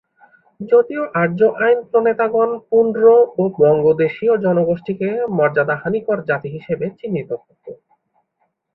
যদিও আর্য আইন প্রণেতাগণ পুন্ড্র ও বঙ্গদেশীয় জনগোষ্ঠীকে মর্যাদাহানিকর জাতি হিসেবে চিহ্নিত করতো।